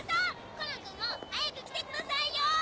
コナンくんも早く来てくださいよ！